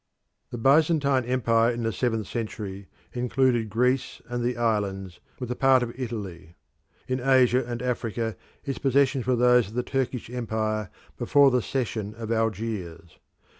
The Byzantine empire in the seventh century included Greece and the islands, with a part of Italy. In Asia and Africa its possessions were those of the Turkish Empire before the cession of Algiers.